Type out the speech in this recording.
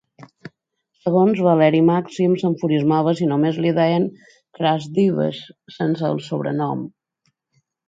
Segons Valeri Màxim, s'enfurismava si només li deien Cras Dives, sense el sobrenom.